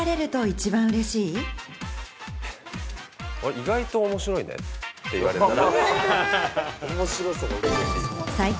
意外と面白いねって言われたら。